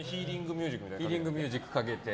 ヒーリングミュージックかけて。